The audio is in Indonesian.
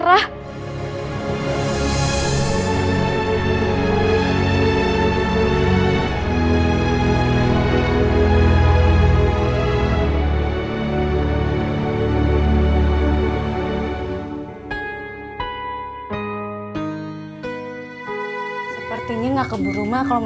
ah dede nyerah